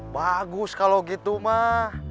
bagus kalau gitu mah